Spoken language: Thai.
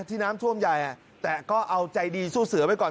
ที่น้ำท่วมใหญ่แต่ก็เอาใจดีสู้เสือไว้ก่อน